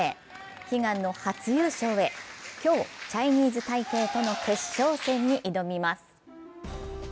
悲願の初優勝へ、今日、チャイニーズ・タイペイとの決勝戦に挑みます。